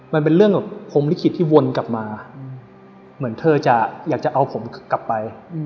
มันเป็นเรื่องแบบพรมลิขิตที่วนกลับมาเหมือนเธอจะอยากจะเอาผมกลับไป